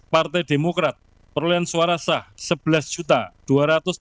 partai demokrat perolehan suara sah sebelas dua ratus delapan puluh tiga satu ratus enam puluh suara